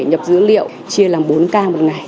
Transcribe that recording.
nhập dữ liệu chia làm bốn k một ngày